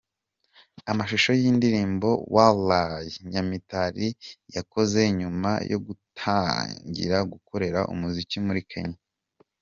Amashusho y’indirimbo "Wallah" Nyamitari yakoze nyuma yo gutangira gukorera umuziki muri Kenya.